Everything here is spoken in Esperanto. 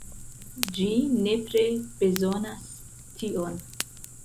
Ĝi nepre bezonas tion.